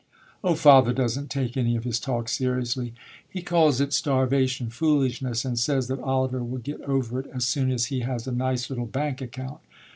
"Oh, father doesn't take any of his talk seriously. He calls it 'starvation foolishness,' and says that Oliver will get over it as soon as he has a nice little bank account.